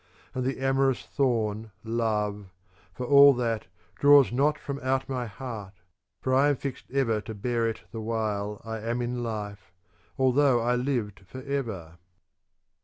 And the amorous thorn love, for all that, draws not from out my heart ; for I am fixed ever to bear it the while I am in life, although I lived for ever.